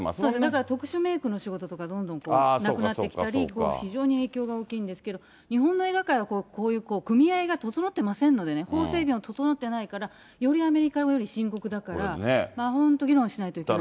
だから特殊メークの仕事とか、どんどんなくなってきたり、非常に影響が大きいんですけど、日本の映画界はこういう、組合が整ってませんのでね、法整備が整ってないから、よりアメリカより深刻だから、本当、議論しなきゃいけない。